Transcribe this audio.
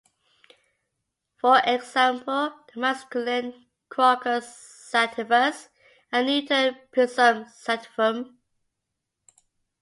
For example, the masculine "Crocus sativus" and neuter "Pisum sativum".